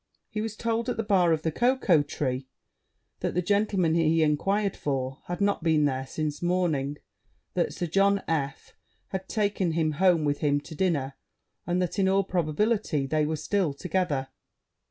He was told at the bar of the Cocoa Tree, that the gentleman he inquired for had not been there since morning; that Sir John F had taken him home with him to dinner, and that in all probability they were still together.